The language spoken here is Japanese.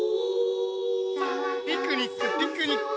ピクニックピクニック！